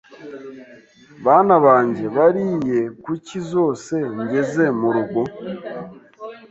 Bana banjye bariye kuki zose ngeze murugo.